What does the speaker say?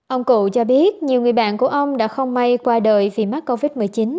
ông cậu cho biết nhiều người bạn của ông đã không may qua đời vì mắc covid một mươi chín